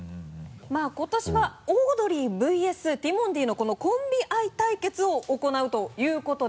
まぁ今年はオードリーＶＳティモンディのこのコンビ愛対決を行うということで。